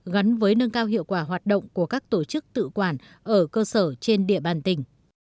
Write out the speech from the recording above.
gắn với nâng cao hiệu quả hoạt động của các tổ chức tự quản ở cơ sở trên địa bàn tỉnh